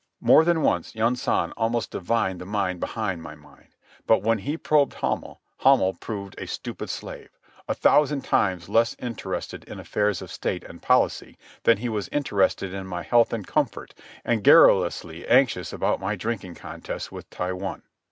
More than once Yunsan almost divined the mind behind my mind; but when he probed Hamel, Hamel proved a stupid slave, a thousand times less interested in affairs of state and policy than was he interested in my health and comfort and garrulously anxious about my drinking contests with Taiwun.